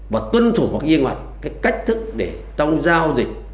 và tuân thủ một cái yên hoạt cái cách thức để trong giao dịch